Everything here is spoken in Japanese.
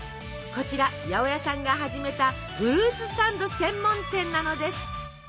こちら八百屋さんが始めたフルーツサンド専門店なのです。